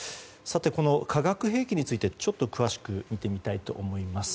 この化学兵器についてちょっと詳しく見てみます。